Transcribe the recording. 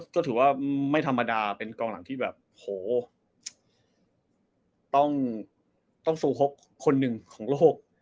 ก็ถือว่าไม่ธรรมดาเป็นกองหลังที่แบบโหต้องสู้ครบคนหนึ่งของโลก